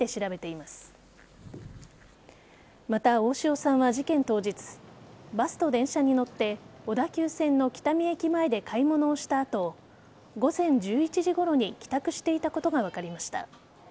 また、大塩さんは事件当日バスと電車に乗って小田急線の喜多見駅前で買い物をした後午前１１時ごろに帰宅していたことが分かりました。